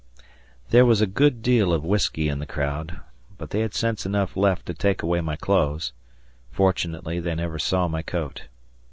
There was a good deal of whiskey in the crowd but they had sense enough left to take away my clothes. Fortunately they never saw my coat.